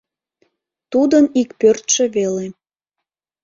Тудын ик пӧртшӧ веле.